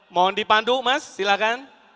mohon dipandu mas silakan